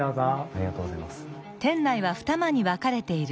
ありがとうございます。